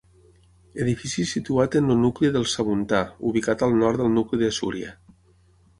Edifici situat en el nucli del Samuntà, ubicat al nord del nucli de Súria.